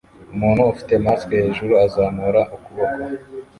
Umuntu ufite mask hejuru azamura ukuboko